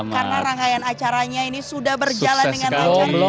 karena rangkaian acaranya ini sudah berjalan dengan lancar